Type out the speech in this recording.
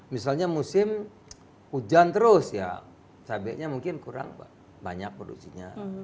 misalnya musim hujan terus ya cabainya mungkin kurang banyak produksinya